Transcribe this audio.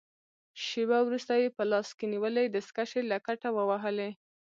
شېبه وروسته يې په لاس کې نیولې دستکشې له کټه ووهلې.